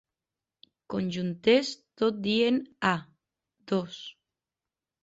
Conjuntés tot dient ah! dos.